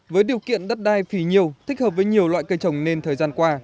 với điều kiện đất đai phí nhiều thích hợp với nhiều loại cây trồng nên thời gian qua